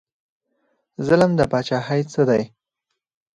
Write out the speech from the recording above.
ظلم د پاچاهۍ څه دی؟